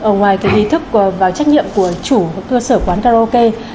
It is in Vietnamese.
ở ngoài ý thức và trách nhiệm của chủ cơ sở quán karaoke